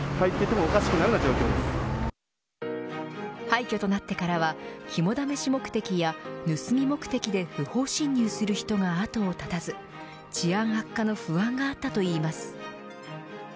廃虚となってからは肝試し目的や盗み目的で不法侵入する人があとを絶たず治安悪化の不安があったといいます。